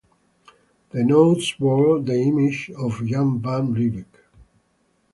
The notes bore the image of Jan van Riebeeck.